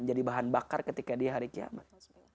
jadi bahan bakar ketika di hari kiamat